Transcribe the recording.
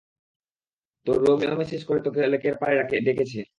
তোর Romeo message করে তোকে লেকের পাড়ে ডেকেছে!